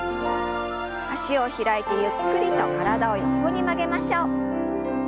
脚を開いてゆっくりと体を横に曲げましょう。